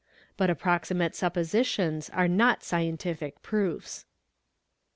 But approximate suppositions are not scientific proofs.